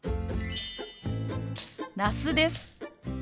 那須です。